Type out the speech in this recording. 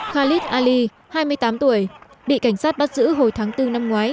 khalid ali hai mươi tám tuổi bị cảnh sát bắt giữ hồi tháng bốn năm ngoái